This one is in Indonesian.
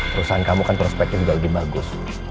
perusahaan kamu kan prospeknya juga lebih bagus